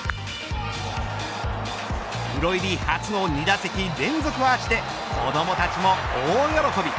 プロ入り初の２打席連続アーチで子どもたちも大喜び。